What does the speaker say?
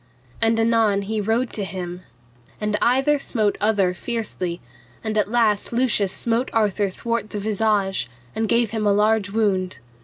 And anon he rode to him. And either smote other fiercely, and at last Lucius smote Arthur thwart the visage, and gave him a large wound.